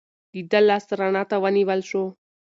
د ده لاس رڼا ته ونیول شو.